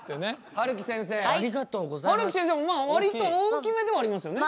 はるき先生も割と大きめではありますよね？